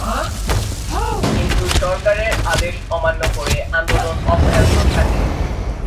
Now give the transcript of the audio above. কিন্তু সরকারের আদেশ অমান্য করে আন্দোলন অব্যাহত থাকে।